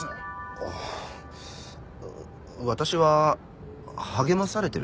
ああ私は励まされてるの？